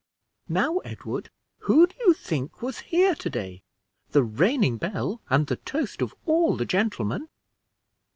"Now, Edward, who do you think was here to day the reigning belle, and the toast of all the gentlemen?"